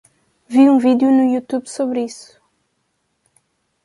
Vi um vídeo no YouTube sobre isso